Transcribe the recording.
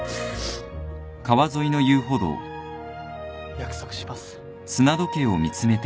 約束します。